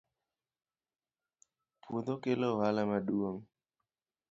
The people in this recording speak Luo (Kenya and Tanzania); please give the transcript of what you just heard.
puodho kelo ohala ma duong